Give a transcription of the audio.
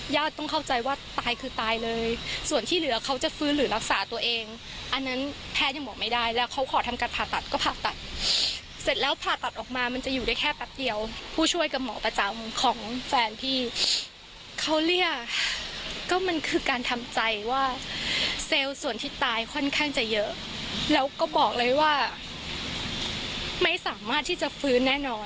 ต้องเข้าใจว่าตายคือตายเลยส่วนที่เหลือเขาจะฟื้นหรือรักษาตัวเองอันนั้นแพทย์ยังบอกไม่ได้แล้วเขาขอทำการผ่าตัดก็ผ่าตัดเสร็จแล้วผ่าตัดออกมามันจะอยู่ได้แค่แป๊บเดียวผู้ช่วยกับหมอประจำของแฟนพี่เขาเรียกก็มันคือการทำใจว่าเซลล์ส่วนที่ตายค่อนข้างจะเยอะแล้วก็บอกเลยว่าไม่สามารถที่จะฟื้นแน่นอน